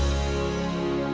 makasih ya mas pur